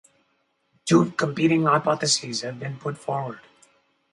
Two competing hypotheses have been put forward.